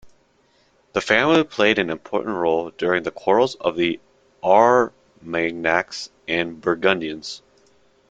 The family played an important role during the quarrels of the Armagnacs and Burgundians.